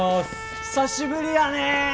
久しぶりやねえ！